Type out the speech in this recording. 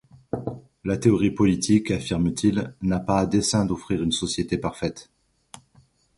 La théorie politique, affirme-t-il, n'a pas à dessein d'offrir une société parfaite.